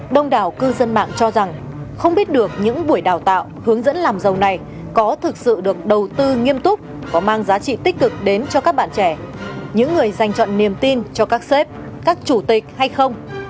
đông đảo cư dân mạng cho rằng không biết được những buổi đào tạo hướng dẫn làm dầu này có thực sự được đầu tư nghiêm túc có mang giá trị tích cực đến cho các bạn trẻ những người dành chọn niềm tin cho các xếp các chủ tịch hay không